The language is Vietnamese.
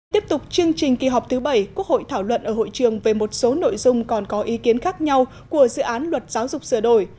tiếp tục chương trình kỳ họp thứ bảy quốc hội thảo luận ở hội trường về một số nội dung còn có ý kiến khác nhau của dự án luật giáo dục sửa đổi